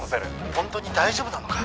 ホントに大丈夫なのか？